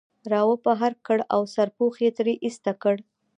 را وبهر کړ او سرپوښ یې ترې ایسته کړ.